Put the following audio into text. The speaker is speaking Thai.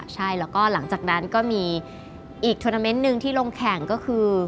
ใช่แล้วก็หลังจากนั้นก็มีอีกทวนาเมนต์หนึ่งที่ลงแข่งก็คือ